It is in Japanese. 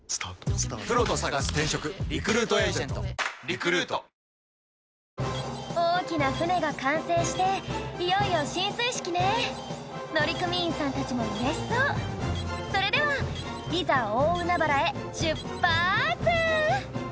コリャ大きな船が完成していよいよ進水式ね乗組員さんたちもうれしそうそれではいざ大海原へ出発！